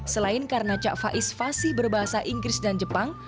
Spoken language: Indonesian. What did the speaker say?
selain karena cak faiz fasih berbahasa inggris dan jepang